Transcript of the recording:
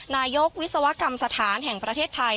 นายกวิศวกรรมสถานแห่งประเทศไทย